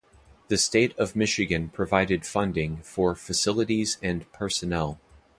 The state of Michigan provided funding for facilities and personnel.